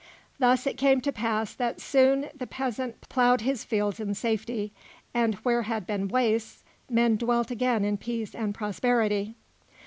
Thus it came to pass that soon the peasant ploughed his fields in safety, and where had been wastes, men dwelt again in peace and prosperity.